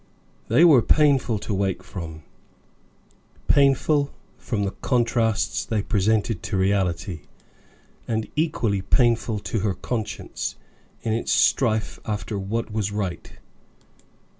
They were painful to wake from; painful from the contrasts they presented to reality; and equally painful to her conscience, in its strife after what was right.